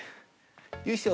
よいしょ。